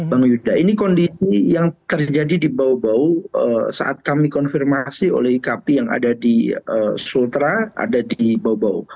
ini kondisi yang terjadi di bau bau saat kami konfirmasi oleh kp yang ada di sultra ada di bau bau